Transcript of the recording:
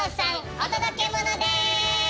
お届けモノです！